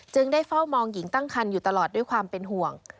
ได้เฝ้ามองหญิงตั้งคันอยู่ตลอดด้วยความเป็นห่วง